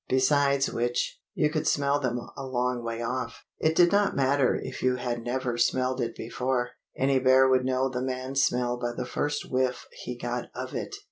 Besides which, you could smell them a long way off. It did not matter if you had never smelled it before: any bear would know the man smell by the first whiff he got of it.